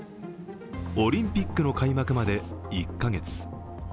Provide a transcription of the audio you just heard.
オリンピックの開幕まで１カ月。